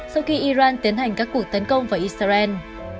sau khi iran tiến hành các cuộc tấn công vào israel